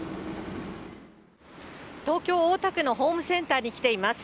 東京・大田区のホームセンターに来ています。